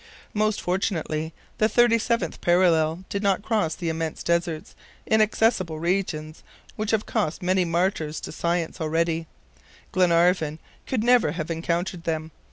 Most fortunately the 37th parallel did not cross the immense deserts, inaccessible regions, which have cost many martyrs to science already. Glenarvan could never have encountered them.